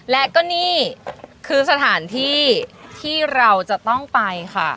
และก็นี่คือสถานที่ที่เราจะต้องไปค่ะ